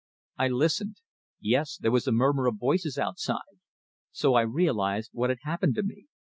I listened. Yes, there was a murmur of voices outside. So I realized what had happened to me.